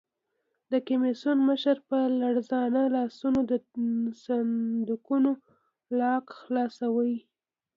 د کمېسیون مشر په لړزانه لاسونو د صندوقونو لاک خلاصوي.